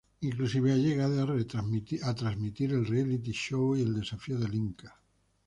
Inclusive ha llegado a transmitir el Reality show y El Desafío del Inca.